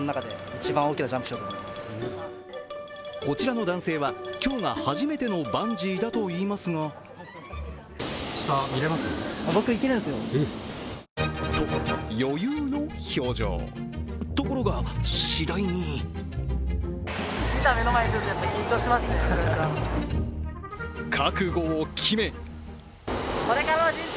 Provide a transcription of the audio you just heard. こちらの男性は、今日が初めてのバンジーだといいますが余裕の表情、ところが次第に覚悟を決め